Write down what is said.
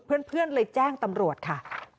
เพื่อนเลยแจ้งตำรวจค่ะ